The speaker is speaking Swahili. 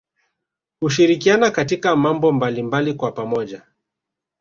Hushirikiana katika mambo mbalimbali kwa pamoja